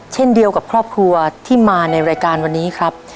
เช่นเดียวกับครอบครัวที่มาในรายการวันนี้ครับ